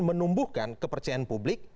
menumbuhkan kepercayaan publik